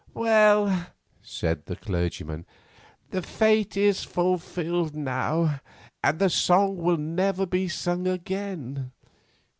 "Well," said the clergyman, "the fate is fulfilled now, and the song will never be sung again.